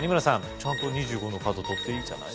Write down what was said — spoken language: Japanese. ちゃんと２５の角取っていいじゃないですか